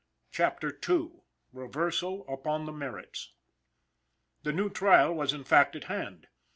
CHAPTER II. REVERSAL UPON THE MERITS. The new trial was in fact at hand.